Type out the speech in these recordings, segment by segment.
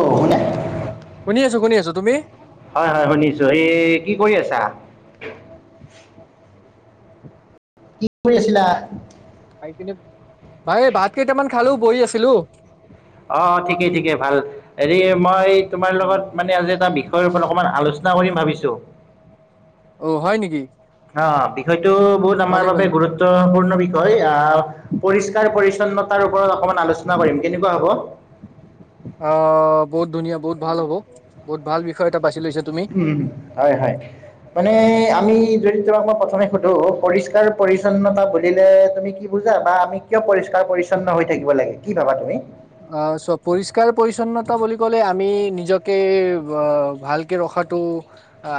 অ শুনে শুনি আছো শুনি আছো তুমি হয় হয় শুনিছো এই কি কৰি আছা কি কৰি আছিলা। ভাই কিনে ভাই ভাত কেইটামান খালো বহি আছিলো অ' ঠিকেই ঠিকে ভাল। তোমাৰ লগত মানে আজি এটা বিষয়ৰ ওপৰত অকমান আলোচনা কৰিম ভাবিছো অ হয় নেকি। অ' বিষয়টো বহুত আমাৰ ভালে বাবে ভালে গুৰুত্বপূৰ্ণ বিষয় আহ পৰিষ্কাৰ পৰিছন্নতাৰ ওপৰত অকমান আলোচনা কৰিম কেনেকুৱা হ'ব। [inaudible] অ বহুত ধুনীয়া বহুত ভাল হব বহুত ভাল। লৈছা তুমি উ, হয়, হয়, মানে আমি যদি তোমাক মই প্ৰথমে সুধো পৰিষ্কাৰ পৰিচ্ছন্নতা বুলিলে তুমি কি বুজা বা আমি কিয় পৰিষ্কা পৰিচ্ছন্ন হৈ থাকিব লাগে কি ভাবা তুমি? অ' চ পৰিষ্কাৰ পৰিচ্ছন্নতা বুলি ক'লে আমি নিজকে ভালকে ৰখা খটো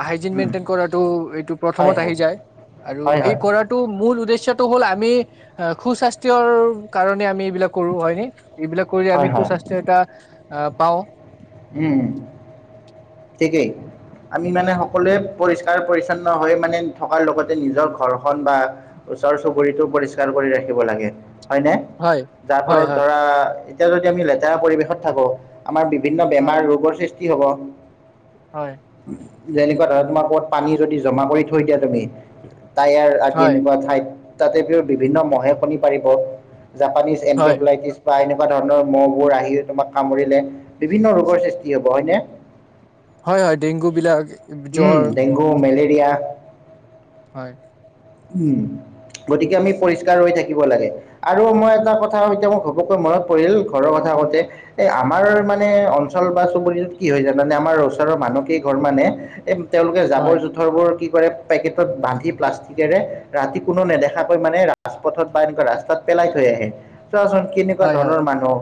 হাইজিন উম মেইনটেইন হয় হয় হয় হয় হ'ল আমি সুস্বাস্থ্য কাৰণে আমি এইবিলাক কৰো হয় নে। এইবিলাক কৰি হয় আমি হয় সুস্বাস্থ্য এটা আহ পাওঁ। উম, ঠিকেই। আমি মানে সকলোৱে পৰিষ্কাৰ পৰিচ্ছন্ন হৈ মানে থকাৰ লগতে নিজৰ ঘৰখন বা ওচৰ চুবুৰীটো পৰিষ্কাৰ কৰি ৰাখিব লাগে। হয়নে হয় যাৰ হয় ফলত হয় ধৰা এতিয়া যদি আমি লেতেৰা পৰিৱেশত থাকো আমাৰ বিভিন্ন হয় বেমাৰ ৰোগৰ সৃষ্টি হ'ব। হয়। যেনেকুৱা ধৰণ তোমাৰ ক'ত পানী যদি জমা কৰি থৈ দিয়া তুমি টায়াৰ আদি হয় এনেকুৱা ঠাইত তাতে বিভিন্ন ম'হে কণী পাৰিব, জাপানীজ হয়, এনকেফ্লাইটিছ বা এনেকুৱা ধৰণৰ ম'হবোৰ আহি তোমাক কামুৰিলে বিভিন্ন ৰোগৰ সৃষ্টি হব হয়নে। হয় হয় ডেংগু বিলাক, উম, জ্বৰ ডেংগু, [unintelligible] হয়। উম। গতিকে আমি পৰিষ্কাৰ হৈ থাকিব লাগে। আৰু মই এটা কথা এতিয়া মোৰ ঘপকৈ মনত পৰিল ঘৰৰ কথা থাকোতে এ আমাৰ মানে অঞ্চল বা চুবুৰিত কি হয় জান মানে আমাৰ ওচৰৰ মানুহকেই ঘৰ মানে এই তেওঁলোকে হয়, জাবৰ জোথৰবোৰ কি কৰে পেকেটত বান্ধি প্লাষ্টিক তেৰে ৰাতি কোনো নেদেখাকৈ মানে ৰাজপথত বা এনেকুৱা ৰাস্তাত পেলাই থৈ আহে। চোৱাচোন কেনেকুৱা হয়, হয়। ধৰণৰ মানুহ।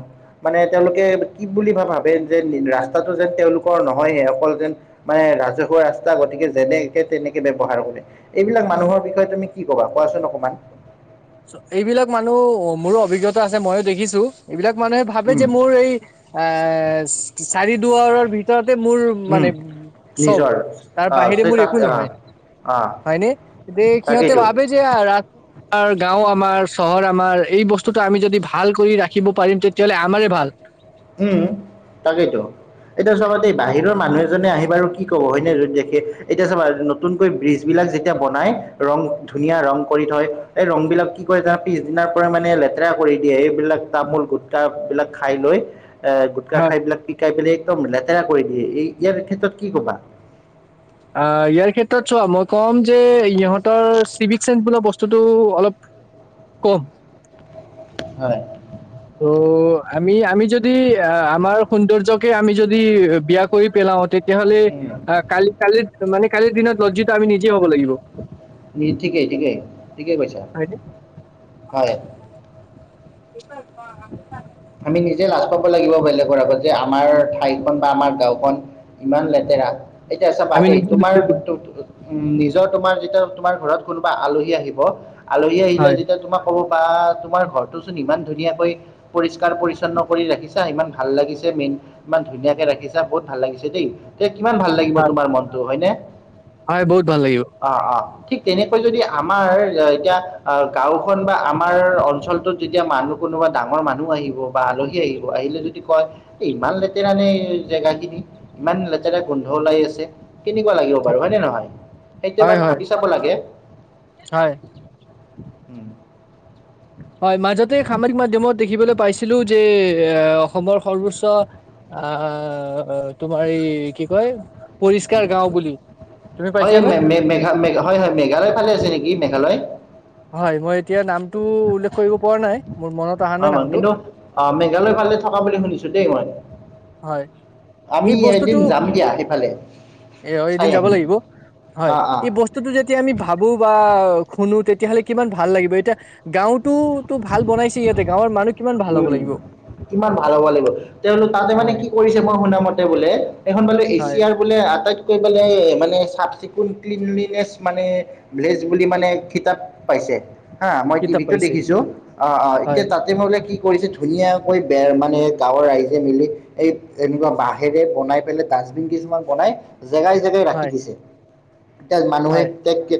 মানে তেওঁলোকে কি বুলি বা ভাবে যে ৰাস্তাটো যেন তেওঁলোকৰ নহয়হে অকল যেন মানে ৰাজহুৱা ৰাস্তা গতিকে যেনেে তেনেকে ব্যৱহাৰ কৰে এইবিলাক মানুহৰ বিষয়ে তুমি কি ক'বা কোৱাচোন অকণমান। চ এইবিলাক মানুহ, অ' মোৰো অভিজ্ঞতা আছে মইও দেখিছো এইবিলাক মানুহে ভাবে উম যে মোৰ এই এ চাৰি দুুৱাৰৰ ভিতৰতে মোৰ মানে উম চব, নিজৰ তাৰ আহ বাহিৰে মোৰ চেকাত একো আহ নহয়। আহ হয়নে দে সহঁতে তাকেইতো ভাবে যে ও আমাৰ চহৰ আমাৰ এই বস্তুটো আমি যদি ভাল কৰি ৰাখিব পাৰিম তেতিয়াহলে আমাৰে ভাল। উম, তাকেইতো। এতিয়া চবা দেই বাহিৰৰ মানুহ এজনে আহি বাৰু কি কব হয়নে যদি দেখে, এতিয়া চব নতুনকৈ ব্ৰিজ বিলাক ক যেতিয়া বনাই ৰং ধুনীয়া ৰং কৰি থয়, ৰং বিলাক কি কয় পিছদিনাৰ মানে লেতে ৰা কৰি দিয়ে, এইবিলাক তামোল গুটটা বিলাক খাই লৈ। এ গোটকা হয় খাইবিলাক পিকাই পেলাই একদম লেতেৰা কৰি দিয়ে, এই ইয়াৰ ক্ষেত্ৰত কি ক'বা। অ' ইয়াৰ ক্ষেত্ৰত চোৱা মই ক'ম যে ইহঁতৰ চিভিক চেন্স বো বস্তুটো অলপ ক'ম হয়। উ [unintelligible] আমি আমি যদি অ আমাৰ সৌন্দৰ্যকে আমি যদি বিয়া কৰি পেলাও তে তেতিয়াহ'লে উম, আহ কালি কালিৰ মানে কালিৰ দিনত লজ্জিত আমি নিজে হ'ব লাগিব। নি ঠিকে ঠিকে ঠিকে কৈছা, হয়নে হয়। সছ [unintelligible] আমি নিজে লাজ পাব লাগিব বেলে গৰ আগত যে আমাৰ ঠাইখন বা আমাৰ গাঁওখন ইমান লেতেৰা। এতিয়া চাবা আমি দেই, নিজে তোমাৰ নিজে তু উম', নিজৰ তোমাৰ যেতিয়া, তোমাৰ ঘৰত কোনোবা আলহী আহিব, আলহী আহিলে হয় যেতিয়া তোমাক ক'ব বা, তোমাৰ ঘৰটো চোন ইমান ধুনীয়াকৈ পৰিষ্কাৰ, পৰিছন্ন কৰি ৰাখিছা, ইমান ভাল লাগিছে মেইন, ইমান ধুনীয়াকে ৰাখিছা, বহুত ভাল লাগিছে দেই। তে কিমান ভাল লাগিব হয় তোমাৰ মনটো, হয়নে? হয় বহুত ভাল লাগিব অ', অ'। ঠিক তেনেকৈ যদি' আমাৰ, এতিয়া, গাঁওখন বা আমাৰ অঞ্চলটোত, যেতিয়া মানুহ কোনোবা ডাঙৰ মানুহ আহিব, বা আলহী আহিব, আহিলে যদি কয়, ইমান লেতেৰা নে জেগা খিনি। ইমান লেতেৰা গোন্ধ ওলাই আছে। কিনেকুৱা লাগিব বাৰু হয়নে নহয়? সেইতো হয় এবাৰ হয় ভাবি চাব লাগে। হয় উম। হয়, মাজতে সামজিক মাধ্যমত দেখিবলৈ পাইছিলো যে, এ অসমৰ সৰ্বোচ্চ আ', তোমাৰ এই কি কয়, পৰিষ্কাৰ গাঁও বুলি। তুমি পাইছানে হয়-হয়-হয়, মেঘালয় ফালে আছে নেকি? মেঘালয়। হয়, মই এতিয়া নামটো উল্লেখ কৰিব পৰা নাই। মোৰ মনত অহা নাই অ', নামটো কিন্তু অ', মেঘালয় ফালে থকা বুলি শুনিছো দেই মই। হয়, আমি এই বস্তুটো এদিন যাম দিয়া সেইফালে এ, অ', চাই এদিন যাব আহিম লাগিব, হয়, অ অ এই বস্তুটো যেতিয়া আমি ভাবো বা শুনো, তেতিয়াহ'লে কিমান ভাল লাগিব। এতিয়া গাঁওতোটো ভাল বনাইছে ইহঁতে। গাঁৱৰ মানুহ কিমান ভাল হ'ব উম', লাগিব কিমান ভাল হ'ব লাগিব। তেওঁলোক তাতে মানে, হয় কি কৰিছে মই শুনা মতে বোলে, এইখন বোলে, হয় এছিয়াৰ বোলে আটাইত কৈ পেলাই মানে চাফ চিকুণ ক্লিনলিনেছ মানে ভ্লেজ বুলি মানে খিতাপ পাইছে। হা, মই কিতাপ টিভি'তো পাইছে দেখিছো। অ', অ', এতিয়া হয় তাতে মোলে কি কৰিছে, ধুনীয়াকৈ বেৰ মানে, গাঁৱৰ ৰাইজে মিলি, এই এনেকুৱা বাঁহেৰে বনাই পেলাই তাক ডাষ্টবিন কিছুমান বনাই, জেগাই জেগাই ৰাখি হয় দিছে। তে মানুহে হয় এ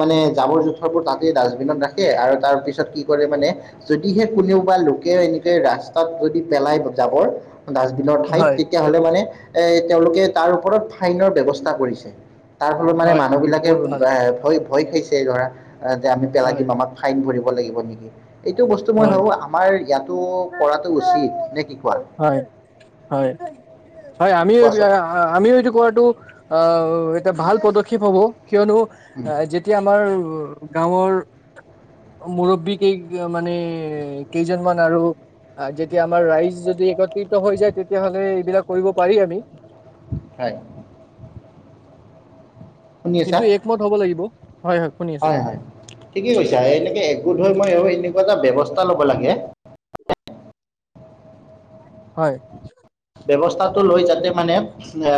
মানে, জাবৰ জোথৰবোৰ তাতে ডাষ্টবিনত ৰাখে আৰু তাৰ পিছত কি কৰে মানে, যদিহে কোনেও বা লোক এনেকে ৰাস্তাত যদি পেলাই যাবৰ, ডাষ্টবিনৰ ঠাইত হয় তেতিয়াহলে মানে এ, তেওঁলোকে তাৰ ওপৰত ফাইনৰ ব্যৱস্থা কৰিছে। তাৰ ফলত মানে, হয় মানুহ বিলাকে বহুত ভাল ভ-ভয়, খাইছে ধৰা, যে আমি পেলাই হয় দিম আমাক ফাইন ভৰিব লাগিব নেকি। এইটো বস্তু মই হয় ভাবো আমাৰ ইটো, কৰাটো উচিত, নে' কি কোৱা?। হয় হয় হয়, কোৱাচোন আমিও-আমিও এইটো কৰাটো, অ', এটা ভাল পদক্ষেপ হ'ব। কিয়নো, যেতিয়া আমাৰ গাঁৱৰ, মুৰব্বীক মানে, কেইজনমান আৰু যেতিয়া আমাৰ ৰাইজ, যদি একত্ৰিত হৈ যায় তেতিয়া হলে, এইবিলাক কৰিব পাৰি আমি। হয়। কিন্তু, একমত হ'ব লাগিব। হয় হয় শুনি আছো হয়-হয়, ঠিকে কৈছা, এনেকে একগোট হৈ মই এ কোৱা এটা ব্যৱস্থা ল'ব লাগে। হয়। ব্যৱস্থাটো লৈ যাতে মানে, এ,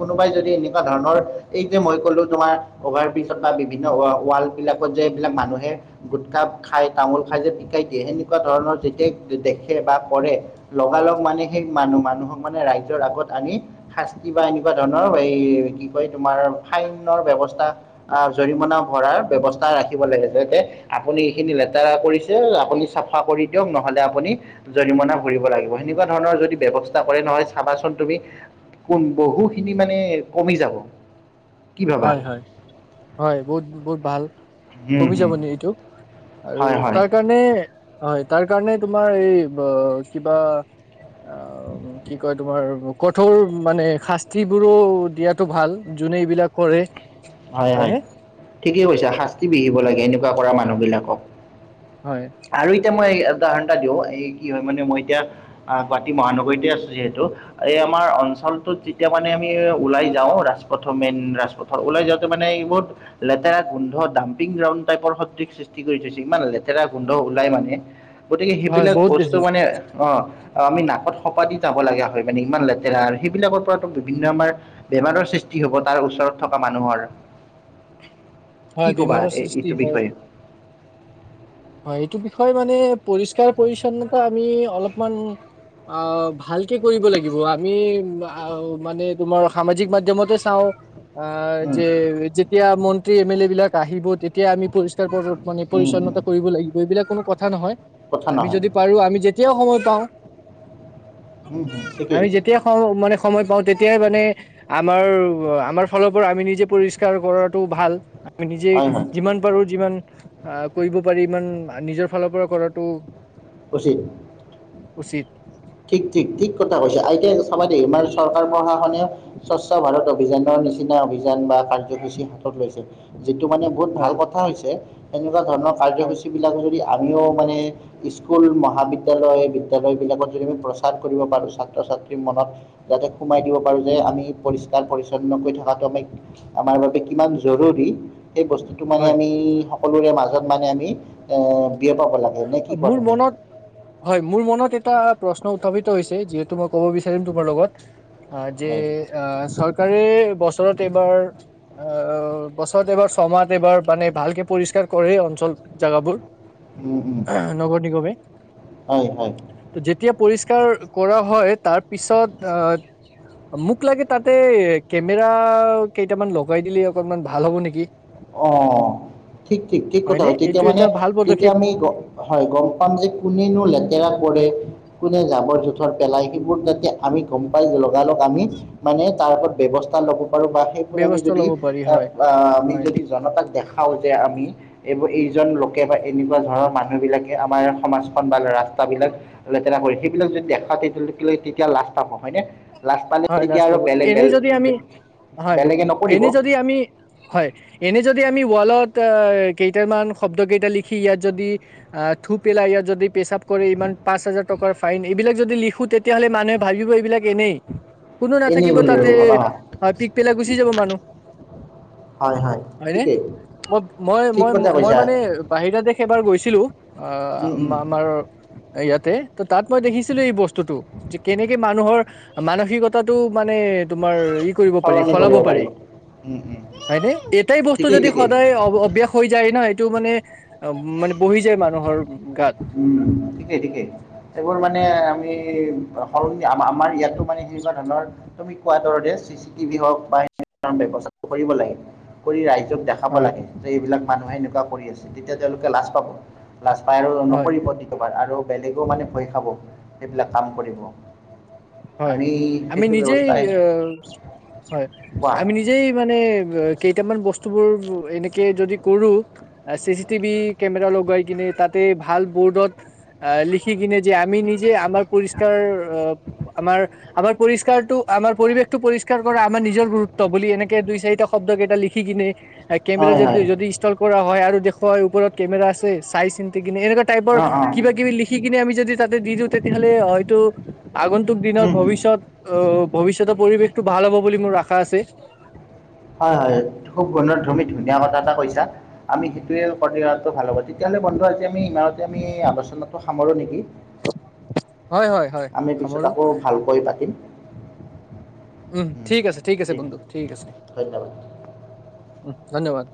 কোনোবাই যদি এনেকুৱা ধৰণৰ, এই যে মই ক লো তোমাৰ, অভাৰ বিজত বা বিভিন্ন ৱাল বিলাকত যে, এইবিলাকত মানুেহে গোটখা, খাই তা মুল খাই যে, পিকাই দিয়ে, সেনেকুৱা ধৰণৰ যেতিয়া দেখে বা কৰে লগালগ মানে সেই মানুহ-মানুহক মানে, ৰাইজৰ আগত আনি, শাস্তি বা এনেকুৱা ধৰণৰ, এই কি কয় তোমাৰ ফাইনৰ, ব্যৱস্থা, জৰিমনা ভৰাৰ ব্যৱস্থা ৰাখিব লাগে। যাতে আপুনি এইখিনি লেতেৰা কৰিছে, আপুনি চাফা কৰি দিয়ক' নহলে, আপুনি জৰিমনা ভৰিব লাগিব। সেনেকুৱা ধৰণৰ যদি ব্যয়ৱস্থা কৰে নহয়, চাবাচোন তুমি কোন, বহু খিনি মানে কমি যাব। কি ভাবা হয়-হয়-হয়, বহুত-বহুত, ভাল হুম কমি হুম যাব নি এইটো, আৰু হয় হয় তাৰ কাৰণে হয় তাৰ কাৰণে তোমাৰ এই কিবা অ কি কয় তোমাৰ কঠোৰ মানে শাস্তিবোৰো দিয়াতো ভাল যোনে এইবিলাক কৰে। হয় হয় হয়নে ঠিকে কৈছা শাস্তি বিহিব লাগে এনেকুৱা কৰা মানুহ বিলাকক। হয় আৰু এতিয়া মই উদাহৰণটা দিওঁ এই কি হয় মানে মই এতিয়া গুৱাহাটী মহানগৰীতে আছো যিহেতু এই আমাৰ অল লো যেতিয়া মানে আমি ওলাই যাওঁ ৰাজপথৰ মেইন ৰাজপথৰ ওলাই যাওঁ মানে বহুত লেতেৰা গোন্ধ ডাম্পিং গ্ৰাউণ্ড টাইপৰ সদৃশ সৃষ্টি কৰি থৈছে ইমান লেতেৰা গোন্ধ। ওলাই মানে গতিকে হয় সেইবিলাক বহুত বস্তু বেছি মানে অ। অ আমি নাকত সপা দি যাব লগা হয় মানে ইমান লেতেৰা সেইবিলাকৰ পৰাতো বিভিন্ন আমাৰ বেমাৰৰ সৃষ্টি কি হ'ব তাৰ ওচৰত থকা মানুহৰ। কি হয় ক'বা বেমাৰৰ এই সৃষ্টি এইটো হয় বিষয়ে হয় এইটো বি বিষয় মানে পৰিষ্কাৰ পৰি্ছন্নতা আমি অলপমান অ ভালকে কৰিব লাগিব আ। মি মানে তোমাৰ সামাজিক মাধ্্যমতে চাওঁ অ উম যে যেতিয়া মন্ত্ৰী এম এল এ বিলাক আহিব তেতিয়া আমি পৰিষ্কাৰ কৰো মানে উম উম পৰিচ্ছন্নতা কৰিব লাগিব এইবিলাক কোনো কথা নহয়, কথা আমি নহয় যদি পাৰো আমি যেতিয়াও সময়ত উম হম আমি ঠিকেই যেতিয়াই সম মানে সময় পাওঁ তেতিয়াই মানে আমাৰ আমাৰ ফালৰ পৰা আমি নিজে পৰিষ্কাৰ কৰাটো ভাল। নিজে হয় হয় যিমান পাৰো যিমান। আহ কৰিব পাৰি ইমান নিজৰ ফালৰ পৰা কৰাটো। কচি উচিত। ঠিক ঠিক ঠিক কথা কৈছে আইতিয়া চাব দে ই চৰকাৰ প্ৰশাসনে স্বচ্ ভাৰত। অভিযানৰ নিচিনা অভিযান বা কাৰ্যসূচী হাতত লৈছে যিটো মানে বহুত ভাল হয়, কথা হৈছে। তেনেকুৱা ধৰণৰ হয়, কাৰ্যসূচী বিলাক যদি আমিও মানে স্কুল মহাবিদ্যালয় বিদ্য়ালয় বিলাকত প্ৰছাত কোনোবা ছাত্ৰ ছাত্ৰীমনত যাতে, সোমাই দিব পাৰো যে আমি পৰিস্কাৰ-পৰিচ্ছন্ন থটো আমি আমাৰ বাবে কিমান জৰুৰী। সেই বস্তুতটো মানে হয়। আমি সকলোৰে মাজত মানে আমি এ বিয়পাব লাগে। নে কি কোৱা মোৰ তুমি মনত হয় মোৰ মনত এটা প্ৰশ্ন উত্থাপিত হৈছে যিহেতু মই ক'ব বিচাৰিম তোমাৰ লগত। অ যে হয় আহ চৰকাৰে বছৰত এইবাৰ আহ বছৰত এবাৰ ছমাহ এইবাৰ মানে ভালকে পৰিষ্কাৰ কৰে অঞ্চল জোগাবোৰ। উম উম, নগৰ নিগমে ত হয়, হয়। যেতিয়া পৰিষ্কাৰ কৰা হয় তাত পিছত আহ মোক লাগে তাতে কেমেৰা কেইটামান লগাই দিলে অকনমান ভাল হ'ব নেকি? অ ঠিক ঠিক ঠিক কথা হয়নে? হয় তেতিয়া এইটো মানে এটা ভাল তেতিয়া পদক্ষেপ আমি হয় গম পাম যে কোনেনো লেতেৰা কৰে। কোনে জাবৰ জোথৰ পেলাই সেইবোৰ যাতে আমি গম পাই যাও। আমি মানে তাৰ ওপৰত ব্যৱস্থা ল'ব পাৰো বা সেইখন আমি ব্যৱস্থা যদি ল'ব পাৰি হয়, আমি হয়। যদি জনতাক দেখাও যে আমি। এইবোৰ এইজন লোকে বা এনেকুৱা ধৰৰ মানুহবিলাকে আমাৰ সমাজখন বা ৰাস্তাবিলাক লেতেৰা সেইবিলাক যদি দেখা তেতিয়া তেতিয়া লাষ্ট পাব হয়নে। লাজ পালে হয় তেতিয়া লাজ আৰু পাব বেলেগ এনে বেলেগ। যদি আমি হয় বেলেগে এনে নকৰিব। যদি আমি, হয়। এনে যদি আমি ৱালত, কেইটামান শব্দ কেইটা লিখি ইয়াত যদি আহ থু পেলাই ইয়াত যদি পেচাপ কৰি ইমান পাঁচ হাজাৰ টকাৰ ফাইন এইবিলাক যদি লিখো তেতিয়াহ'লে মানুহে ভাবিব এইবিলাক এনেই কোনো এনেই নাথাকিব বুলি তাতে ভাবা হয় পিক পেলাই গুচি যাব মানুহ। হয় হয় হয়নে ঠিকেই মই মই ঠিক মই কথা মই কৈছা মানে বাহিৰ দে সেইবাৰ গৈছিলো আহ উম উম আমাৰ ইয়াতে- ত তাত মই দেখিছিলো এই বস্তুতটো যে কেনেকে মানুহৰ মানসিকতা। টো মানে তোমাৰ ই কৰিব পাৰি সলনি সলাব কৰিব পাৰি। উম উম হয়নে এটাই বস্তু ঠিকেই যদি ঠিকেই সদায় অভ্যাস হৈ যায় নহ এইটো মানে মানে বহি যায় মানুহৰ গাত উম ঠিকেই ঠিকেই এইবোৰ মানে। সলনি আমাৰ ইয়াতো মানে সেনেকুৱা ধৰণৰ তুমি কোৱা দৰৰে চি চি টিভি হওক বা ব্যৱস্থাটো কৰিব লাগে। কৰি আই দেখাব হয় লাগে যে এইবিলাক মানুহে এনেকুৱা কৰি আছে, তেতিয়া তেওঁলোকে লাজ পাব। লাজ পাই আৰু হয় নকৰিব দিতবাৰ আৰু বেলেগও মানে ভয় খাব সেইবিলাক কাম কৰিব। হয় আমি আমি সেইটো নিজেই ব্যৱস্থাই আহ হয় কোৱা আমি নিজেই মানে কেইটামান বস্তু বোৰ এনে যদি কৰো চিচিটিভি কেমেৰা লগাই কিনে তাতে ভাল বৰ্ডত আহ লিখি কিনে যে আমি নিজে আমাৰ পৰিষ্কাৰ আমাৰ, আমাৰ পৰিষ্কাৰটো, আমাৰ পৰিৱেশ টো পৰিষ্কাৰ কৰা আমাৰ নিজৰ গুৰুত্ব বুলি এনেকে দুই চাৰিটা শব দ কেটা লিখি কিনে কেমেৰা হয় হয় যদি যদি ষ্টল কৰা হয় আৰু দেখুৱাই ওপৰত কেমেৰা আছে, চাই চিন্তি এনেকুৱা টাইপৰ অঁ অঁ কিবাকিবি লিখি কিনে আমি যদি তাতে দি দিওঁ, তেতিয়া হ'লে হয়তো, আগুন দিনত হুম হুম ভৱিষ্যত, অ', ভৱিষ্যতৰ পৰিৱেশটো ভাল হ'ব বুলি মোৰ আশা আছে। হয়, হয়। খুব সুন্দৰ ধুমি ধুনীয়া কথা এটা কৈছা, আমি সেইটোৱে কৰি আছো ভাল হব। তেতিয়া বন্ধু আজি আমি ইমানতে আমি, আলোচনাতো সামৰো নেকি! হয় হয় হয় আমি পিছত সামৰো আকৌ ভালকৈ পাতিম। উম ঠিক আছে ঠিক আছে বন্ধু ঠিক আছে ধন্যবাদ উম। ধন্যবাদ।